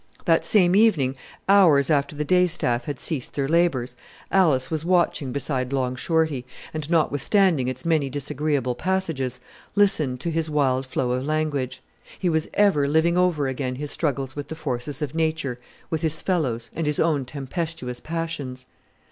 That same evening, hours after the day staff had ceased their labours, Alice was watching beside Long Shorty, and, notwithstanding its many disagreeable passages, listened to his wild flow of language. He was ever living over again his struggles with the forces of Nature, with his fellows, and his own tempestuous passions!